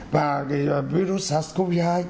và cái virus sars cov hai